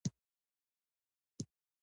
حکومت باید بودجه ځانګړې کړي.